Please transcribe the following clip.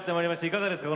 いかがですか？